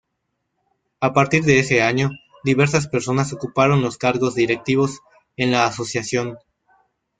A partir de ese año diversas persona ocuparon los cargos directivos en la asociación.